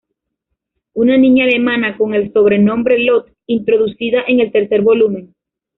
Una niña alemana, con el sobrenombre Lotte, introducida en el tercer volumen.